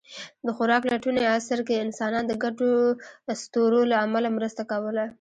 د خوراک لټوني عصر کې انسانان د ګډو اسطورو له امله مرسته کوله.